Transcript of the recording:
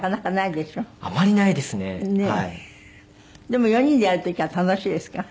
でも４人でやる時は楽しいですか？